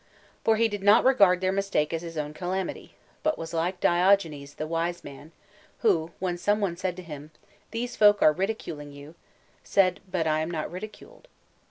For he did not regard their mistake as ( his own calamity, but was like Diogenes the wise man, who, when some one said to him, "These folk are ridiculing you," said, " But I am not ridiculed."